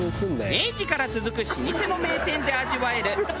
明治から続く老舗の名店で味わえる昼安グルメ。